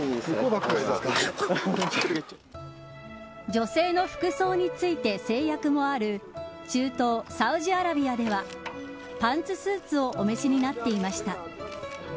女性の服装について制約もある中東、サウジアラビアではパンツスーツをお召しになっていました。